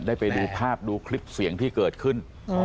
ไปดูภาพดูคลิปเสียงที่เกิดขึ้น